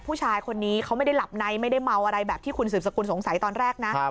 ผู้ชายคนนี้เขาไม่ได้หลับในไม่ได้เมาอะไรแบบที่คุณสืบสกุลสงสัยตอนแรกนะ